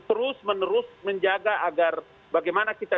terus menerus menjaga agar bagaimana kita